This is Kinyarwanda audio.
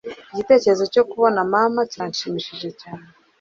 Igitekerezo cyo kubona mama kiranshimishije cyane.